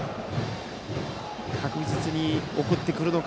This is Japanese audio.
確実に送ってくるのか。